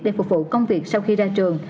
để phục vụ công việc sau khi ra trường